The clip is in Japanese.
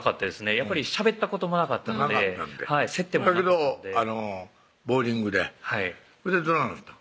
やっぱりしゃべったこともなかったので接点もなくてだけどボウリングでほいでどないなったん？